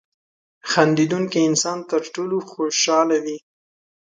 • خندېدونکی انسان تر ټولو خوشحاله وي.